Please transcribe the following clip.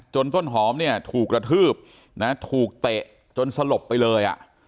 ต้นหอมเนี่ยถูกกระทืบนะถูกเตะจนสลบไปเลยอ่ะ